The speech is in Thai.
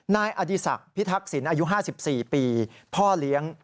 นายอดีศักดิ์พิทักษิณอายุ๕๔ปีพ่อเลี้ยง